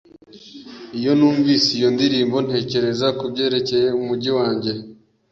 Iyo numvise iyo ndirimbo, ntekereza kubyerekeye umujyi wanjye.